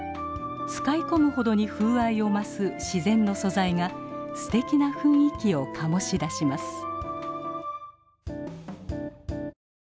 使い込むほどに風合いを増す自然の素材がすてきな雰囲気を醸し出します。